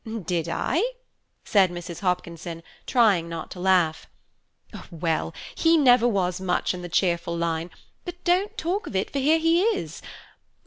"Did I?" said Mrs. Hopkinson, trying not to laugh. "Well, he never was much in the cheerful line; but don't talk of it, for here he is.